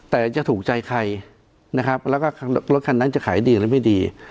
แต่จะถูกใจใครนะครับแล้วก็รถคันนั้นจะขายดีหรือไม่ดี